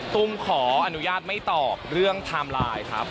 ตุ้มขออนุญาตไม่ตอบเรื่องไทม์ไลน์ครับ